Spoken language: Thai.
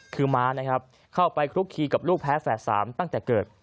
คือม้านะครับเข้าไปคลุกคีกับลูกแพ้แฝด๓ตั้งแต่เกิด